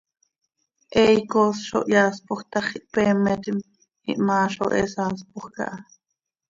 He icoos zo hyaaspoj tax, ihpeemetim, ihmaa zo he saaspoj caha.